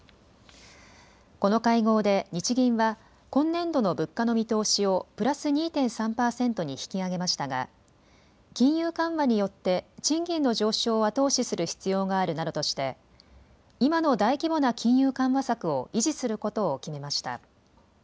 この会合で日銀は今年度の物価の見通しをプラス２．３％に引き上げましたが金融緩和によって賃金の上昇を後押しする必要があるなどとして、今の大規模大規模な金融緩和策を維持することを決めました。